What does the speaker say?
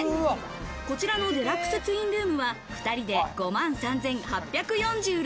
こちらのデラックスツインルームは１人で５万３８４６円。